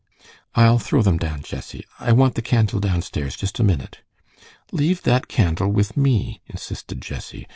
"I'll throw them down, Jessie. I want the candle downstairs just a minute." "Leave that candle with me," insisted Jessie.